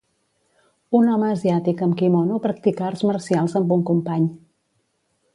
Un home asiàtic amb quimono practica arts marcials amb un company.